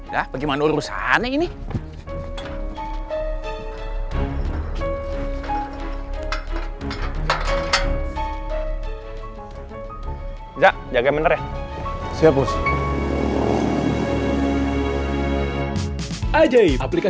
ya ditutup lagi aja gak apa apa